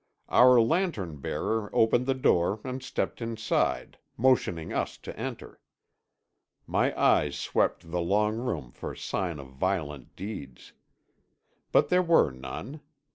Our lantern bearer opened the door and stepped inside, motioning us to enter. My eyes swept the long room for sign of violent deeds. But there were none.